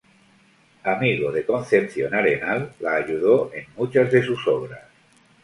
Amigo de Concepción Arenal, la ayudó en muchas de sus obras.